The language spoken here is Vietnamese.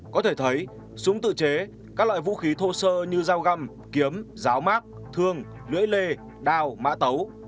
có thể thấy súng tự chế các loại vũ khí thô sơ như dao găm kiếm ráo mát thương lưỡi lê đao mã tấu